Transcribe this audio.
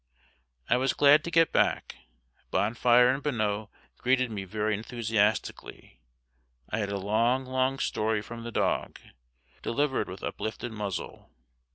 I was glad to get back; Bonfire and Bonneau greeted me very enthusiastically. I had a long long story from the dog, delivered with uplifted muzzle.